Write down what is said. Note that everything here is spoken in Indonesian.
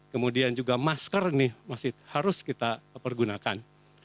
kemudian juga masker ini masih harus kita pergunakan